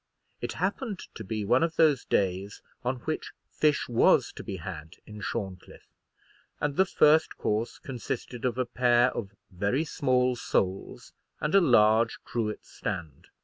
It happened to be one of those days on which fish was to be had in Shorncliffe; and the first course consisted of a pair of very small soles and a large cruet stand.